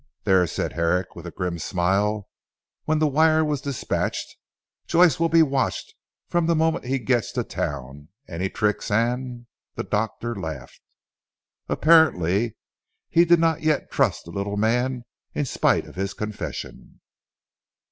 "There," said Herrick with a grim smile when the wire was despatched, "Joyce will be watched from the moment he gets to town. Any tricks, and " the doctor laughed. Apparently he did not yet trust the little man in spite of his confession.